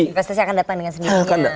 investasi akan datang dengan sendiri